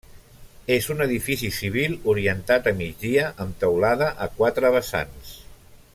És un edifici civil orientat a migdia amb teulada a quatre vessants.